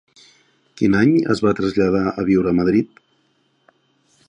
Quin any es va traslladar a viure a Madrid?